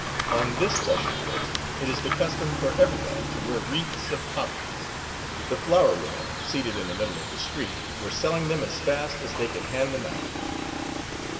On this special day it is the custom for everybody to wear wreaths of poppies. The flower women, seated in the middle of the street, were selling them as fast as they could hand them out.